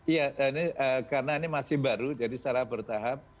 iya ini karena ini masih baru jadi secara bertahap